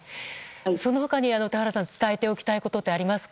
その他に田原さん伝えておきたいことはありますか。